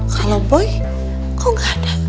kalau boy kau gak ada